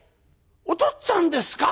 おとっつぁんですか？